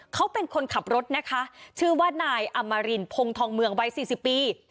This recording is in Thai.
เขาเป็นคนขับรถนะคะชื่อว่านายอมรินพงทองเมืองวัยสี่สิบปี